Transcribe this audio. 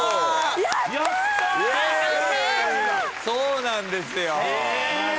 そうなんですよ。